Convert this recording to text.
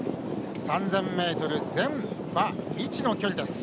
３０００ｍ、全馬未知の距離です。